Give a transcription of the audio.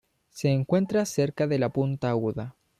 Se encuentra cerca de la punta Aguda.